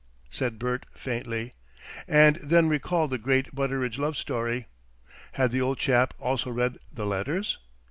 said Bert faintly, and then recalled the great Butteridge love story. Had the old chap also read the letters?